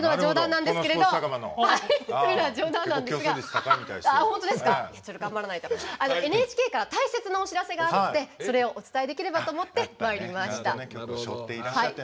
というのは冗談なんですがＮＨＫから大切なお知らせがあってそれをお伝えできればと思ってまいりました。